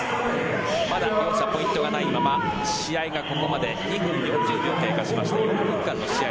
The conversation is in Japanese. まだ両者ポイントがないまま試合がここまで２分４０秒経過しました。